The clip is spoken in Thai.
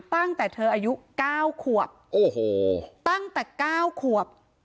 ตั้งแต่เธออายุ๙ขวบโอ้โหตั้งแต่๙ขวบ